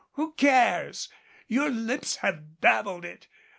Who cares? Your lips have babbled it.